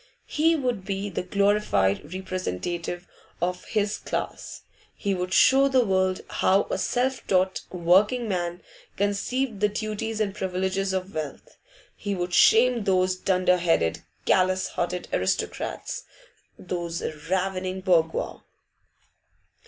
He would be the glorified representative of his class. He would show the world how a self taught working man conceived the duties and privileges of wealth. He would shame those dunder headed, callous hearted aristocrats, those ravening bourgeois.